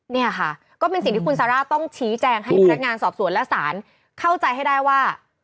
เนี่ยค่ะก็เป็นสิ่งที่คุณซาร่าต้องชี้แจงให้พนักงานสอบสวนและศาลเข้าใจให้ได้ว่า